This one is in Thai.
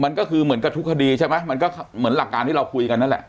มันก็คือเหมือนกับทุกคดีใช่ไหมมันก็เหมือนหลักการที่เราคุยกันนั่นแหละ